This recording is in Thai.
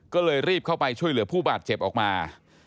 ก็เลยรีบเข้าไปช่วยเหลือผู้บาดเจ็บออกมา